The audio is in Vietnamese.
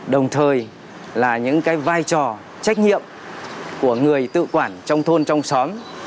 đồng thời là những cái vai trò trách nhiệm của người tự quản trong thôn trong xóm